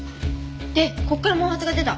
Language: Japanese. でここから毛髪が出た？